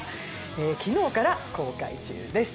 昨日から公開中です。